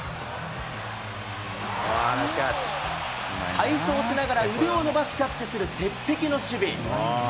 背走しながら腕を伸ばしキャッチする鉄壁の守備。